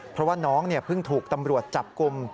เพราะว่าน้องเพิ่งถูกตำรวจจับกลุ่ม